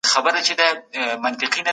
څېړنه باید دوامداره او پرله پسې وي.